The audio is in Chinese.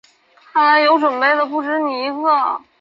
多数义大利的埃及人恢从事与食物有关的工作。